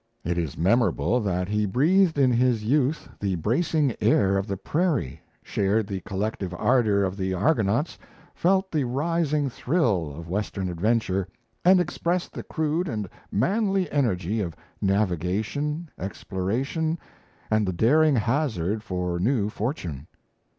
It is memorable that he breathed in his youth the bracing air of the prairie, shared the collective ardour of the Argonauts, felt the rising thrill of Western adventure, and expressed the crude and manly energy of navigation, exploration, and the daring hazard for new fortune.